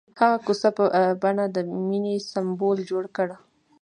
هغه د کوڅه په بڼه د مینې سمبول جوړ کړ.